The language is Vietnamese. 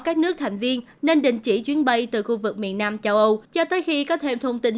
các nước thành viên nên đình chỉ chuyến bay từ khu vực miền nam châu âu cho tới khi có thêm thông tin